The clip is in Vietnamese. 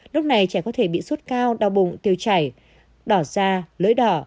lúc này trẻ có thể bị suốt cao đau bụng tiêu chảy đỏ da lưỡi đỏ